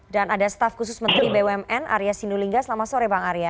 dan ada staf khusus menteri bumn arya sinulinga selamat sore bang arya